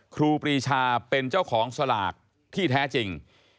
ครูปรีชาเป็นเจ้าของสลากที่แท้จริง